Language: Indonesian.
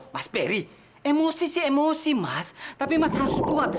mas berry harus kuat